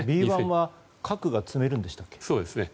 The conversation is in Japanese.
Ｂ１は核が積めるんでしたっけね。